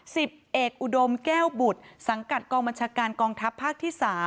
สิบเอกอุดมแก้วบุตรสังกัดกองบัญชาการกองทัพภาคที่๓